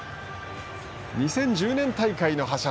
２０１０年大会の覇者